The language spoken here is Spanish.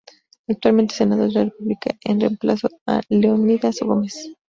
Actualmente es Senador de la República en reemplazo a Leonidas Gómez.